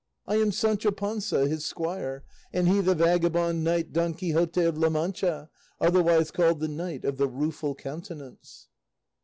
I am Sancho Panza, his squire, and he the vagabond knight Don Quixote of La Mancha, otherwise called 'The Knight of the Rueful Countenance.